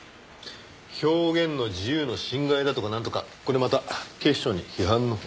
表現の自由の侵害だとかなんとかこれまた警視庁に批判の矛先が向く。